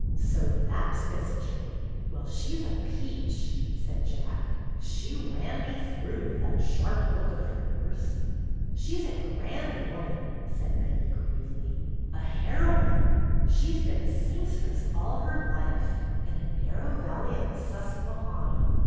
"So that's Miss Jane! Well, she's a peach!" said Jack. "She ran me through with that sharp look of hers." " She 's a grand woman," said Betty, gravely. "A heroine! She 's been a seamstress all her life, in a narrow valley on the Susquehanna.